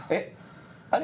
あれ？